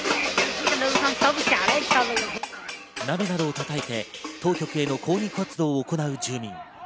鍋などを叩いて当局への抗議活動を行う住民。